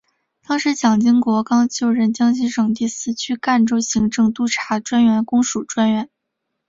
当时蒋经国刚就任江西省第四区赣州行政督察专员公署专员。